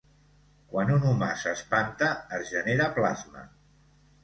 Quan un humà s'espanta, es genera plasma.